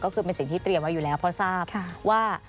ก็คือเป็นสิ่งที่เตรียมไว้อยู่แล้วเพราะทราบว่า